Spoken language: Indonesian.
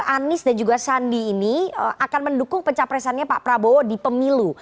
anies dan juga sandi ini akan mendukung pencapresannya pak prabowo di pemilu